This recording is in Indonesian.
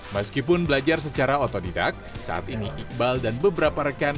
meskipun belajar secara otodidak saat ini iqbal dan beberapa rekan